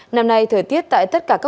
năm nay thời tiết tại tất cả các quốc tế